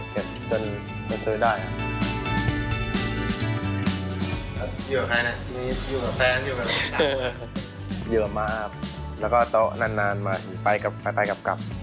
อยู่กับใครเนี่ยอยู่กับแฟนอยู่กับอยู่กับแล้วก็โต๊ะนานนานมาไปกับไปกับกลับ